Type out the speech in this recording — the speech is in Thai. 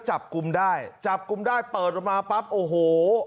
จับกลุ่มได้จับกลุ่มได้เปิดออกมาปั๊บโอ้โห